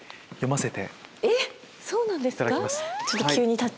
そうなんですか。